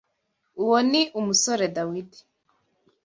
Uwo ni umusore Dawidi